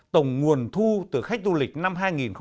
tổng nguồn thu từ khách du lịch năm hai nghìn một mươi tám